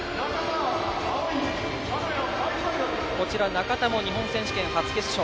仲田も日本選手権初決勝。